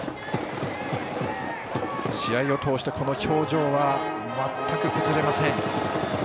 試合を通してこの表情は全く崩れません。